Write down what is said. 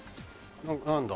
何だ？